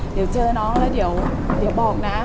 เดี๋ยวเจอน้องแล้วเดี๋ยวบอกนะ